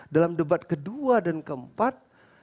dalam debat kedua dan keempat